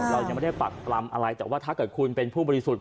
เรายังไม่ได้ปักปรำอะไรแต่ว่าถ้าเกิดคุณเป็นผู้บริสุทธิ์